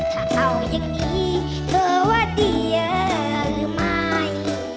ถ้าเข้ายังนี้เธอว่าดีหรือไม่